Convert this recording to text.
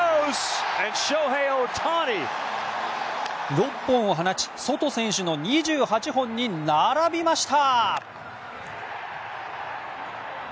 ６本を放ちソト選手の２８本に並びました。